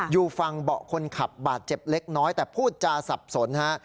อยู่ฝั่งเบาะคนขับบาดเจ็บเล็กน้อยแต่พูดจาสับสนฮะ